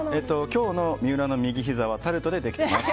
今日の三浦の右ひざはタルトでできています。